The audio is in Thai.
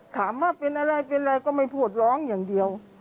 ถามว่าเป็นอะไรเป็นอะไรก็ไม่พูดร้องอย่างเดียว